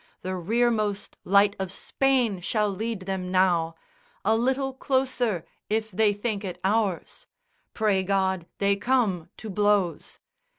The rearmost light of Spain shall lead them now, A little closer, if they think it ours. Pray God, they come to blows!"